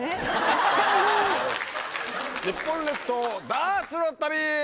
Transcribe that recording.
日本列島ダーツの旅！